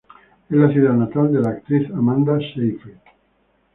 Es la ciudad natal de la actriz Amanda Seyfried.